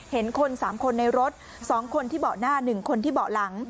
เห็นคน๓คนในรถ๒คนที่เบาะหน้า๑คนที่เบาะหลัง